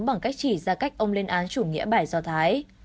bằng cách chỉ ra cách ông lên án chủ nghĩa bài do thái